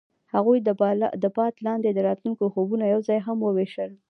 هغوی د باد لاندې د راتلونکي خوبونه یوځای هم وویشل.